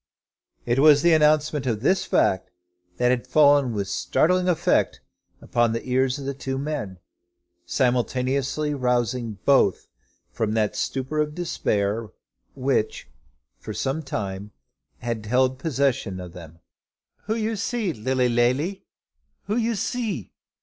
It was the announcement of this fact that had fallen with such startling effect upon the ears of the two men, simultaneously rousing both from that torpor of despair which for some time had held possession of them. "Who you see, Lilly Lally? Who you see?"